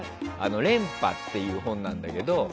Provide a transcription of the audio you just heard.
「連覇」っていう本なんだけど。